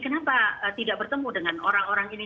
kenapa tidak bertemu dengan orang orang ini